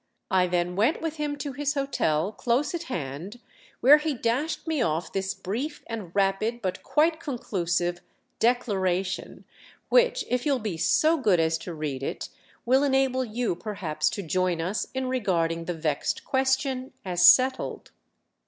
I then went with him to his hotel, close at hand, where he dashed me off this brief and rapid, but quite conclusive, Declaration, which, if you'll be so good as to read it, will enable you perhaps to join us in regarding the vexed question as settled."